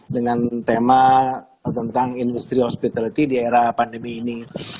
dengan tema tentang industri hospitality di era pandemi ini